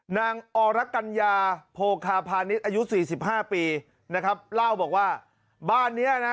นางอรกัญญาโพคาพาณิชย์อายุสี่สิบห้าปีนะครับเล่าบอกว่าบ้านเนี้ยนะ